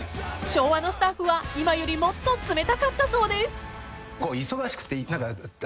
［昭和のスタッフは今よりもっと冷たかったそうです］時代だから。